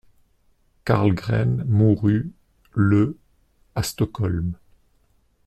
Karlgren mourut le à Stockholm.